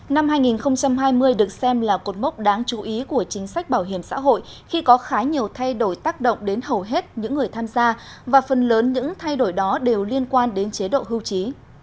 năm hai nghìn hai mươi được xem là cột mốc đáng chú ý của chính sách bảo hiểm xã hội khi có khá nhiều thay đổi tác động đến hầu hết những người tham gia và phần lớn những thay đổi đó đều liên quan đến chế độ hưu trí